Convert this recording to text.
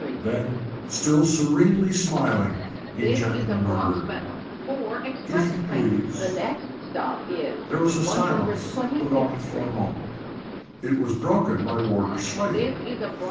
Then, still serenely smiling, he gently murmured, "If you please." There still was silence, but only for a moment. It was broken by Warder Slater.